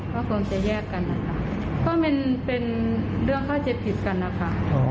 ก็คงจะแยกกันนะคะก็เป็นเรื่องเข้าใจผิดกันนะคะ